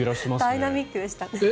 ダイナミックでしたね。